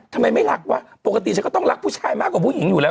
ทำไมไม่รักวะปกติฉันก็ต้องรักผู้ชายมากกว่าผู้หญิงอยู่แล้ว